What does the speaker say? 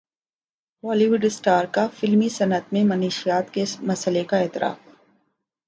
بولی would superstar کا فلمی صنعت میں منشیات کے مسئلے کا اعتراف